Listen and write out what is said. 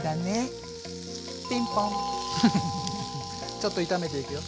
ちょっと炒めていくよ